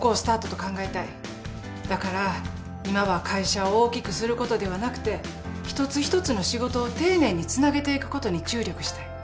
だから今は会社を大きくすることではなくて一つ一つの仕事を丁寧につなげていくことに注力したい。